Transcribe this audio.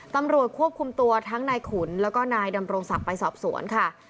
ตำรวจควบคุมตัวทั้งนายขุนแล้วก็นายดำรงศักดิ์ไปสอบสวนค่ะ